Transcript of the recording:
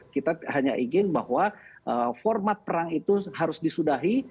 kita hanya ingin bahwa format perang itu harus disudahi